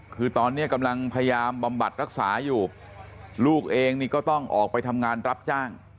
คือตอนนี้กำลังพยายามบำบัดรักษาอยู่ลูกเองนี่ก็ต้องออกไปทำงานรับจ้าง